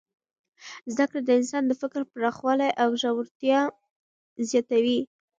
زده کړه د انسان د فکر پراخوالی او ژورتیا زیاتوي.